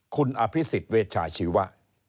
คุณอภิษฎเวชาชีวะ